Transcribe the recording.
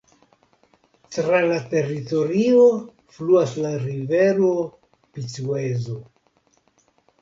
Tra la teritorio fluas la rivero Picuezo.